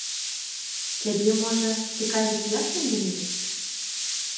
Цябе, можа, цікавіць, як ён да мяне?